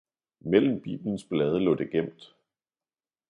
Mellem biblens blade lå det gemt.